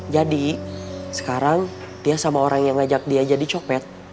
jadi sekarang dia sama orang yang ngajak dia jadi copet